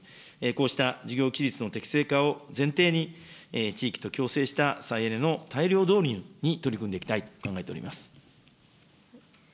こうした事業規律の適正化を前提に、地域と共生した再エネの大量導入に取り組んでいきたいと考えております。